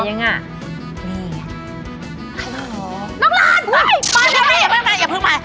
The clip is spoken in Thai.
นี่น้องร้อนโอ๊ยมาเลยอย่าเพิ่งมา